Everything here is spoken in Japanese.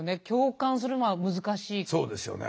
そうですよね。